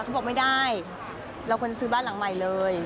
เขาบอกไม่ได้เราควรซื้อบ้านหลังใหม่เลย